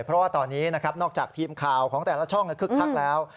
เพราะว่าตอนนี้นะครับนอกจากทีมข่าวของแต่ละช่องคึกคักแล้ว